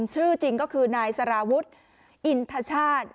ชื่อจริงก็คือนายสารวุฒิอินทชาติ